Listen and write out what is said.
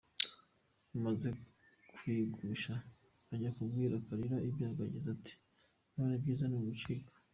Amaze kuyigusha ajya kubwira Kalira ibyago agize; ati "None ibyiza ni ugucika".